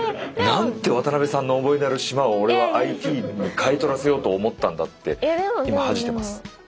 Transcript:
なんて渡邊さんの思い出ある島を俺はＩＴに買い取らせようと思ったんだって今恥じてます。